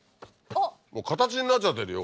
もう形になっちゃってるよ